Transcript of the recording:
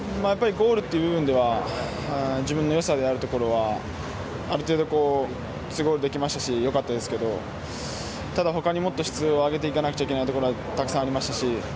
ゴールという部分では自分の良さであるところはある程度、２ゴールできましたし良かったですけど、ただ他に質を上げていかなきゃいけないところがたくさんありましたし。